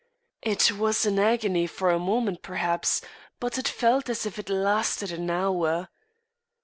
It was an agony for a moment perhaps, but it felt as if it lasted an hour.